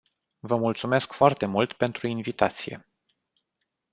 Vă mulțumesc foarte mult pentru invitație.